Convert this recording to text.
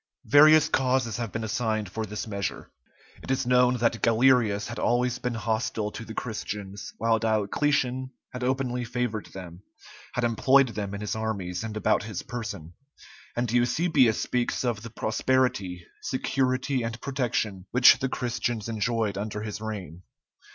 Various causes have been assigned for this measure. It is known that Galerius had always been hostile to the Christians, while Diocletian had openly favored them, had employed them in his armies and about his person; and Eusebius speaks of the prosperity, security, and protection which the Christians enjoyed under his reign.